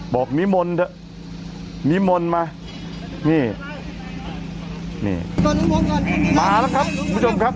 บอกมีมนต์เดอะมีมนต์มานี่นี่มาแล้วครับผู้ชมครับ